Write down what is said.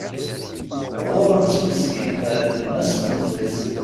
Ɣuṛṛen-tt meskint ɛedmen-as temẓi-s.